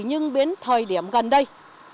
nhưng đến thời điểm gần đây